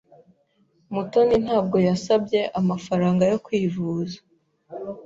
Mutoni ntabwo yasabye amafaranga yo kwivuza.